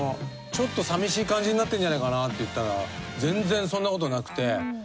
ちょっと寂しい感じになってんじゃないかなっていったら全然そんなことなくて。